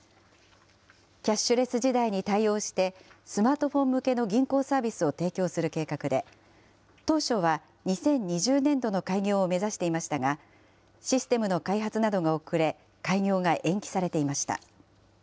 キャッシュレス時代に対応して、スマートフォン向けの銀行サービスを提供する計画で、当初は２０２０年度の開業を目指していましたが、システムの開発などが遅れ、開業が延期されていました。